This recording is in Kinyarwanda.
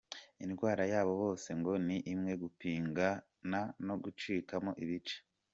Indwara yabo bose ngo ni imwe: Gupingana no gucikamo ibice